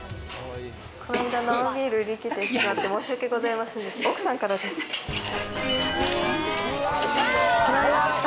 この間、生ビール売り切れてしまって、申しわけございませんでした。